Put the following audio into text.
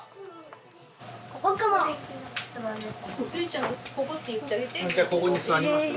じゃあここに座ります？